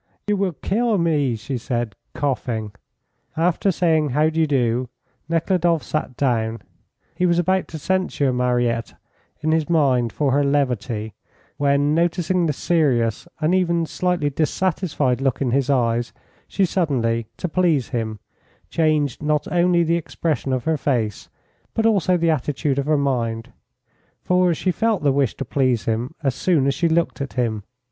"You will kill me," she said, coughing. After saying "How d'you do?" Nekhludoff sat down. He was about to censure Mariette in his mind for her levity when, noticing the serious and even slightly dissatisfied look in his eyes, she suddenly, to please him, changed not only the expression of her face, but also the attitude of her mind; for she felt the wish to please him as soon as she looked at him.